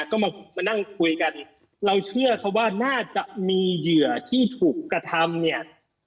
ก็มามานั่งคุยกันเราเชื่อเขาว่าน่าจะมีเหยื่อที่ถูกกระทำเนี่ย